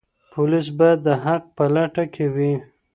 پولیس باید د حق په لټه کې وي.